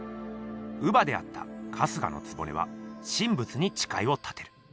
乳母であった春日局は神仏にちかいを立てる。